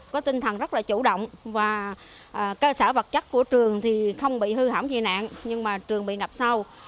có tinh thần rất là chủ động và cơ sở vật chất của trường thì không bị hư hỏng gì nạn nhưng mà trường bị ngập sâu